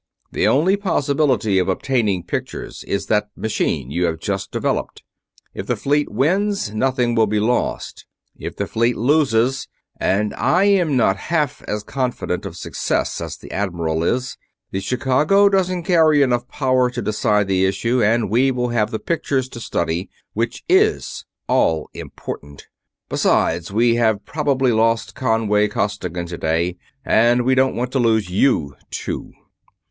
The only possibility of obtaining pictures is that machine you have just developed. If the fleet wins, nothing will be lost. If the fleet loses and I am not half as confident of success as the Admiral is the Chicago doesn't carry enough power to decide the issue, and we will have the pictures to study, which is all important. Besides, we have probably lost Conway Costigan today, and we don't want to lose you, too."